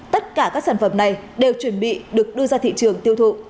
tất cả các sản phẩm này đều chuẩn bị được đưa ra thị trường tiêu thụ